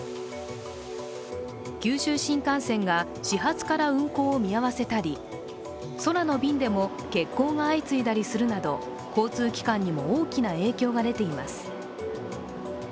九州新幹線が始発から運行を見合わせたり、空の便でも欠航が相次いだりするなど交通機関にも大きな影響が出ています。